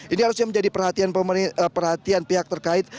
ini harusnya menjadi perhatian pihak terkait